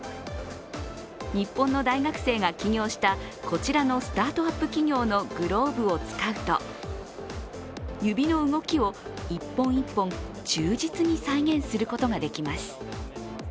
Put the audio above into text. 日本の大学生が起業したこちらのスタートアップ企業のグローブを使うと指の動きを一本一本忠実に再現することができます。